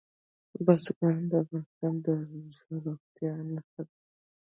بزګان د افغانستان د زرغونتیا نښه ده.